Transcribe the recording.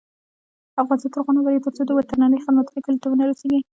افغانستان تر هغو نه ابادیږي، ترڅو د وترنري خدمتونه کلیو ته ونه رسیږي.